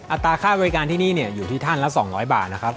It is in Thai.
อัตราค่าบริการที่นี่อยู่ที่ท่านละ๒๐๐บาทนะครับ